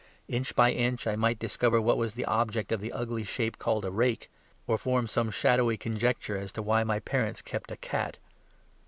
Inch by inch I might discover what was the object of the ugly shape called a rake; or form some shadowy conjecture as to why my parents kept a cat.